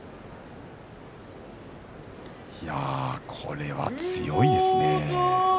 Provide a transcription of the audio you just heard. これは強いですね。